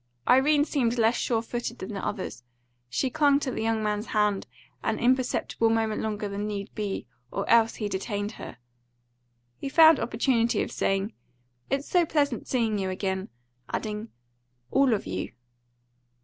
Irene seemed less sure footed than the others; she clung to the young man's hand an imperceptible moment longer than need be, or else he detained her. He found opportunity of saying, "It's so pleasant seeing you again," adding, "all of you."